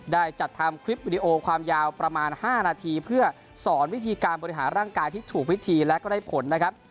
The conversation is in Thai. ได้จัดทำคลิปวิดีโอความยาวประมาณ๕นาทีเพื่อสอนวิธีการบริหารร่างกายที่ถูกวิธีและก็ได้ผลนะครับ